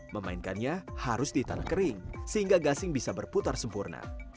memainkannya harus di tanah kering sehingga gasing bisa berputar sempurna